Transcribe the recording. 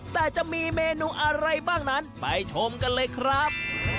แต่จะมีเมนูอะไรบ้างนั้นไปชมกันเลยครับ